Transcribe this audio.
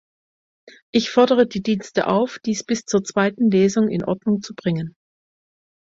Ich fordere die Dienste auf, dies bis zur zweiten Lesung in Ordnung zu bringen.